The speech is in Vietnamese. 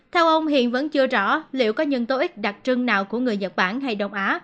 theo ông hiện vẫn chưa rõ liệu có nhân tố ích đặc trưng nào của người nhật bản hay đông á